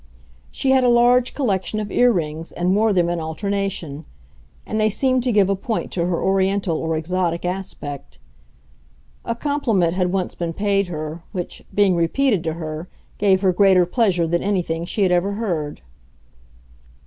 She had a large collection of ear rings, and wore them in alternation; and they seemed to give a point to her Oriental or exotic aspect. A compliment had once been paid her, which, being repeated to her, gave her greater pleasure than anything she had ever heard.